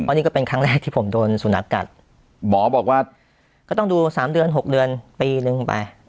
นี่ก็เป็นครั้งแรกที่ผมโดนสุนัขกัดหมอบอกว่าก็ต้องดู๓เดือน๖เดือนปีหนึ่งไป